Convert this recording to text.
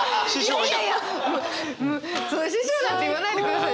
そんな「師匠」なんて言わないでください！